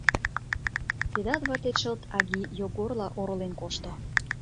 Ведат вате чылт Аги Йогорла оролен кошто.